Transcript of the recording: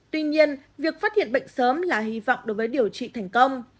tuy nhiên việc phát hiện bệnh sớm là hy vọng đối với điều trị thành công